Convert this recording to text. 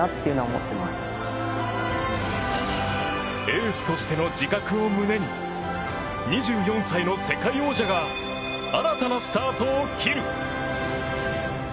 エースとしての自覚を胸に２４歳の世界王者が新たなスタートを切る！